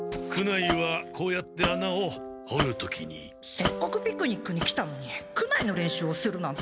せっかくピクニックに来たのに苦無の練習をするなんて。